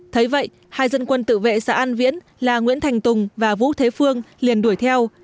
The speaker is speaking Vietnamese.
thấy vậy hai dân quân tự vệ xã an viễn là nguyễn thành tùng và vũ thế phương liền đuổi theo